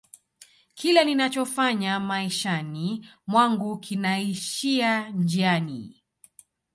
kila ninachofanya maishani mwangu kinaishia njiani